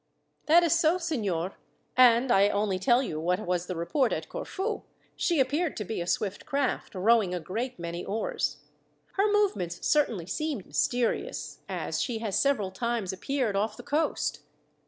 "That is so, signor, and I only tell you what was the report at Corfu. She appeared to be a swift craft, rowing a great many oars. Her movements certainly seem mysterious, as she has several times appeared off the coast.